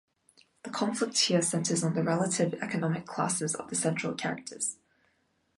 The conflict here centres on the relative economic classes of the central characters.